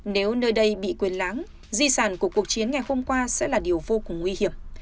nếu nơi đây bị quyền láng di sản của cuộc chiến ngày hôm qua sẽ là điều vô cùng nguy hiểm